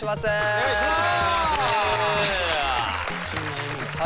お願いします！